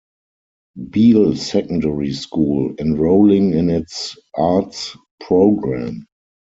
Beal Secondary School, enrolling in its arts program.